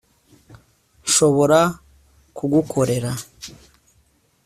nshobora kugukorera